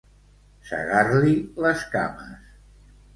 Segar-li les cames.